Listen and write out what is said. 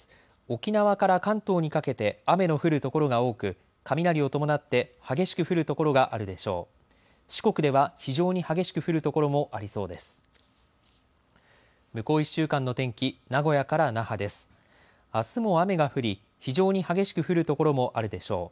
沖縄から関東にかけて雨の降る所が多く、雷を伴って激しく降る所があるでしょう。